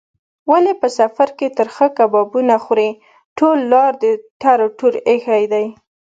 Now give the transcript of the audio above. ولې په سفر کې ترخه کبابونه خورې؟ ټوله لار دې ټر ټور ایښی دی.